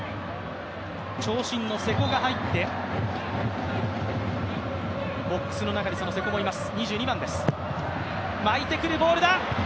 長身の瀬古が入ってボックスの中に瀬古がいます。